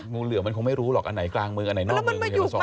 งูเหลือมันคงไม่รู้หรอกอันไหนกลางเมืองอันไหนนอกเมือง